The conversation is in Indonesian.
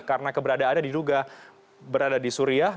karena keberadaannya diduga berada di suriah